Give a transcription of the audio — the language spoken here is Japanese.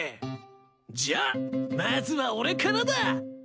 じゃあまずは俺からだ！